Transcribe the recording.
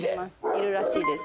いるらしいです